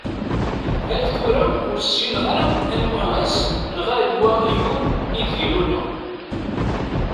Ar tura ur ssineɣ ara anwa ass neɣ anwa ayyur ideg d-luleɣ.